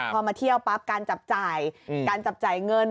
พอมาเที่ยวปั๊บการจับจ่ายเงิน